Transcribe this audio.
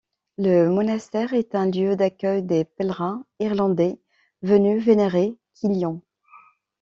Le monastère est un lieu d'accueil des pèlerins irlandais venus vénérer Kilian.